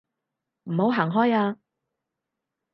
唔好行開啊